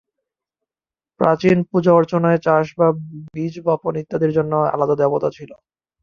প্রাচীন পূজা অর্চনায় চাষ বা বীজ বপন ইত্যাদির জন্য আলাদা দেবতা ছিলো।